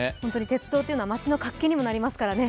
鉄道というのは街の活気にもなりますからね。